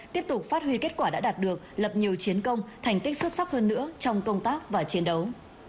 tiếp tục phát huy kết quả đã đạt được lập nhiều chiến công thành tích xuất sắc hơn nữa trong công tác và chiến đấu